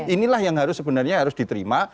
inilah yang harus sebenarnya harus diterima